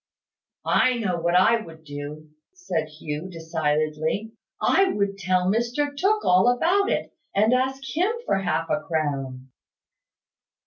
"I know what I would do?" said Hugh, decidedly. "I would tell Mr Tooke all about it, and ask him for half a crown."